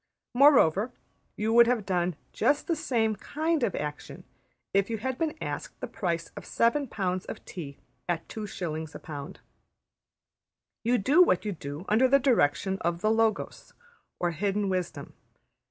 Moreover, you would have done just the same \textit{kind} of action if you had been asked the price of seven pounds of tea at 2s.\ a pound. You do what you do under direction of the Logos or hidden wisdom.